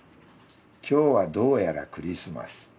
「きょうはどうやらクリスマス。